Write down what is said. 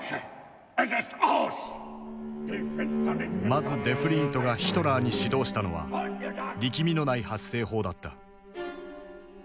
まずデフリーントがヒトラーに指導したのは力みのない発声法だった。